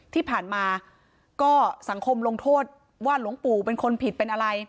ที่ผ่านมาก็สังคมลงโทษว่าหลวงปู่เป็นคนผิดเป็นอะไร